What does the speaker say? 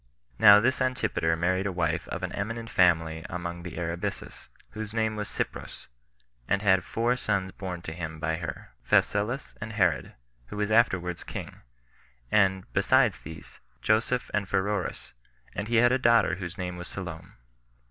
Now this Antipater married a wife of an eminent family among the Arabisus, whose name was Cypros, and had four sons born to him by her, Phasaelus and Herod, who was afterwards king, and, besides these, Joseph and Pheroras; and he had a daughter whose name was Salome.